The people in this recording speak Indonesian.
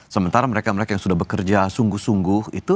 sementara mereka mereka yang sudah bekerja sungguh sungguh itu